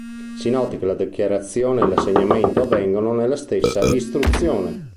Si noti che la dichiarazione e l'assegnamento avvengono nella stessa istruzione.